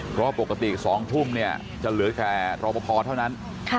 เพราะปกติ๒ทุ่มเนี่ยจะเหลือแค่รอปภเท่านั้น